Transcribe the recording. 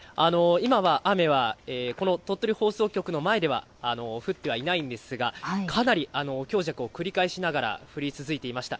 今は雨はこの鳥取放送局の前では、降ってはいないんですが、かなり強弱を繰り返しながら降り続いていました。